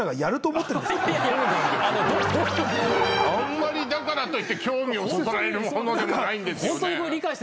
あんまりだからといって興味をそそられるものでもないんですよ。